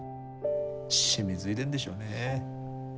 染みついでんでしょうね。